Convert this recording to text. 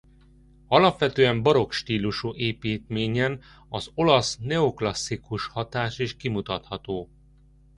Az alapvetően barokk stílusú építményen az olasz neoklasszikus hatás is kimutatható.